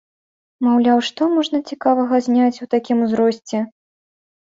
Маўляў, што можна цікавага зняць у такім узросце?